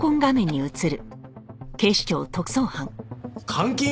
監禁！？